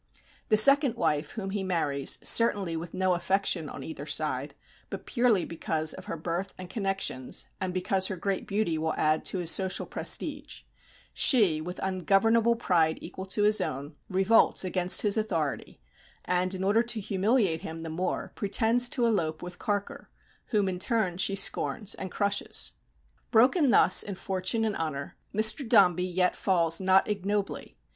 The second wife, whom he marries, certainly with no affection on either side, but purely because of her birth and connections, and because her great beauty will add to his social prestige she, with ungovernable pride equal to his own, revolts against his authority, and, in order to humiliate him the more, pretends to elope with Carker, whom in turn she scorns and crushes. Broken thus in fortune and honour, Mr. Dombey yet falls not ignobly.